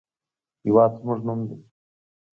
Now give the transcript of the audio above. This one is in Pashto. هېواد زموږ نوم دی